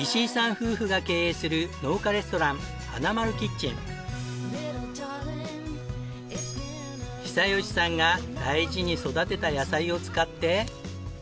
夫婦が経営する農家レストラン久喜さんが大事に育てた野菜を使って。